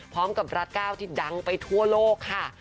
พร้อมกับรัฐก้าวที่ดังไปทั่วโลกค่ะ